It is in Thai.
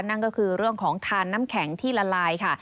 นั่นก็คือเรื่องของทานน้ำแข็งที่ละลายค่ะ